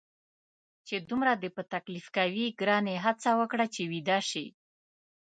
چې دومره دې په تکلیف کوي، ګرانې هڅه وکړه چې ویده شې.